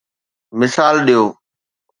مثال ڏيو.